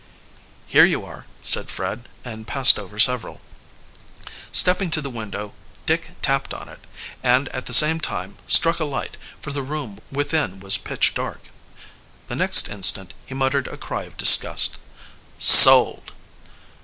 "Here you are," said Fred, and passed over several. Stepping to the window, Dick tapped upon it, and at the same time struck a light, for the room within was pitch dark. The next instant he muttered a cry of disgust. "Sold!"